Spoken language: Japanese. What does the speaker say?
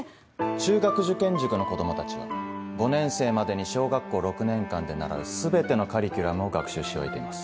中学受験塾の子供たちは５年生までに小学校６年間で習う全てのカリキュラムを学習し終えています。